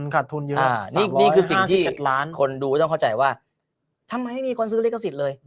ขาดทุนเยอะนี่คือสิ่งที่คนดูก็ต้องเข้าใจว่าทำไมมีคนซื้อลิขสิทธิ์เลย